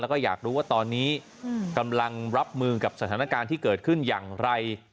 แล้วก็อยากรู้ว่าตอนนี้กำลังรับมือกับสถานการณ์ที่เกิดขึ้นอย่างไร